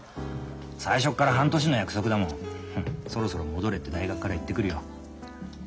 最初っから半年の約束だもんそろそろ戻れって大学から言ってくるよ。